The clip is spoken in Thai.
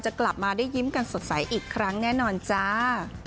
กลับมาได้ยิ้มกันสดใสอีกครั้งแน่นอนจ้า